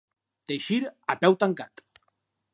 Teixir a peu tancat.